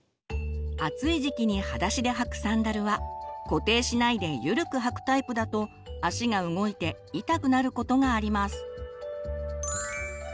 暑い時期にはだしで履くサンダルは固定しないでゆるく履くタイプだと足が動いて痛くなることがあります。